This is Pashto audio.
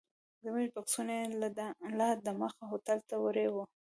زموږ بکسونه یې لا دمخه هوټل ته وړي وو.